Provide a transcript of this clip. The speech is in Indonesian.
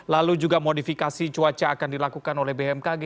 lalu juga modifikasi cuaca akan dilakukan oleh bmkg